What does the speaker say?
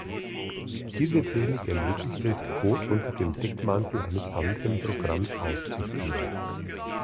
Diese Technik ermöglicht es, Code unter dem Deckmantel eines anderen Programms auszuführen.